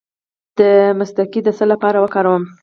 د مصطکي د څه لپاره وکاروم؟